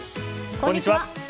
こんにちは。